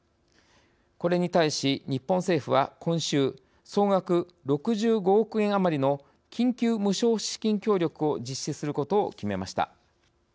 これに対し日本政府は今週総額６５億円余りの緊急無償資金協力を実施することを決めました。